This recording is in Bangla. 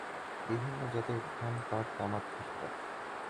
বিভিন্ন জাতের ধান, পাট, তামাক, ভুট্টা।